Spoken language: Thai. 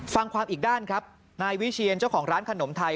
ฟังความอีกด้านครับนายวิเชียนเจ้าของร้านขนมไทย